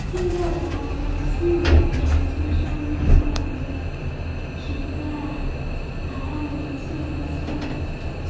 巨大的海浪吸引到成千上万人取在海岸沿线观看。